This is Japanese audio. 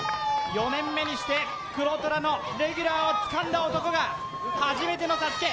４年目にして黒虎のレギュラーをつかんだ男が初めてのＳＡＳＵＫＥ